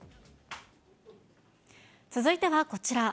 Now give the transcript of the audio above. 続いてはこちら。